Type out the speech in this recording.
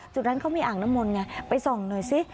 จุดนั้นเขามีอ่างน้ำมนต์ไงไปส่องหน่อยสิ